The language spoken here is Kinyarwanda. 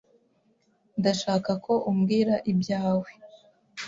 Ndashaka ko umbwira ibyawe .